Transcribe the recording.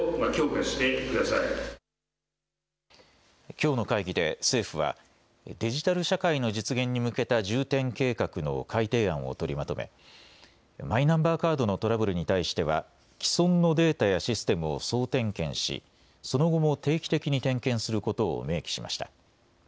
きょうの会議で政府は、デジタル社会の実現に向けた重点計画の改定案を取りまとめ、マイナンバーカードのトラブルに対しては、既存のデータやシステムを総点検し、その後も定期的に点検することを明記しました。